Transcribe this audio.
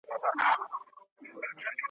په خوږو خوبونو مست لكه مينده وو `